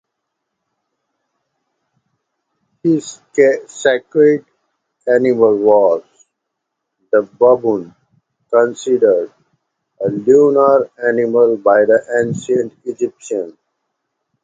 His sacred animal was the baboon, considered a lunar animal by the ancient Egyptians.